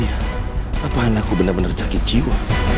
apa anakku benar benar sakit jiwa